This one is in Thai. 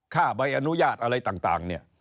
ใบอนุญาตอะไรต่างเนี่ย